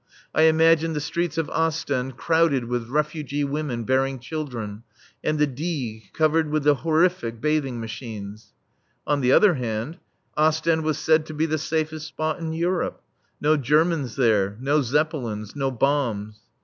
I imagined the streets of Ostend crowded with refugee women bearing children, and the Digue covered with the horrific bathing machines. On the other hand, Ostend was said to be the safest spot in Europe. No Germans there. No Zeppelins. No bombs.